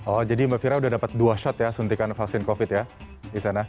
oh jadi mbak fira udah dapat dua shot ya suntikan vaksin covid ya di sana